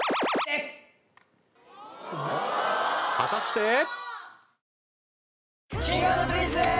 ［果たして！？］